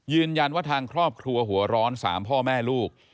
ยืนยันว่าทางครอบครัวหัวร้อน๓พ่อแม่ลูก